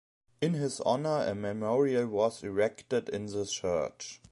In his honour, a memorial was erected in the church.